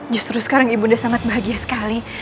justru sekarang ibu nda sangat bahagia sekali